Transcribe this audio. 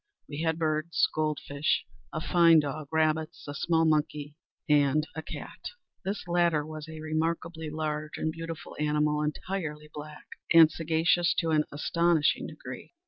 We had birds, gold fish, a fine dog, rabbits, a small monkey, and a cat. This latter was a remarkably large and beautiful animal, entirely black, and sagacious to an astonishing degree.